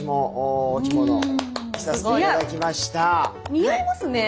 似合いますね。